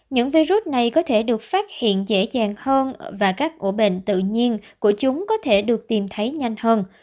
những virus này có thể được phát hiện dễ dàng hơn và các ổ bệnh tự nhiên của chúng có thể được tìm thấy nhanh hơn